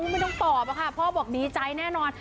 ไม่ต้องตอบอะค่ะพ่อบอกดีใจแน่นอน